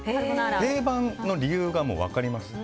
定番の理由が分かります。